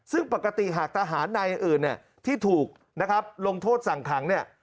ซึ่งปกติหากทหารนายอื่นเนี่ยที่ถูกนะครับลงโทษสั่งขังเนี่ย